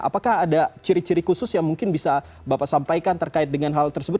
apakah ada ciri ciri khusus yang mungkin bisa bapak sampaikan terkait dengan hal tersebut